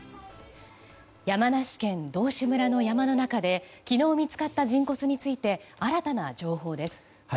山梨県道志村の山の中で昨日見つかった人骨について新たな情報です。